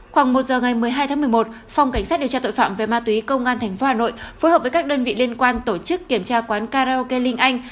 khoảng một giờ ngày một mươi hai tháng một mươi một phòng cảnh sát điều tra tội phạm về ma túy công an tp hà nội phối hợp với các đơn vị liên quan tổ chức kiểm tra quán karaoke linh anh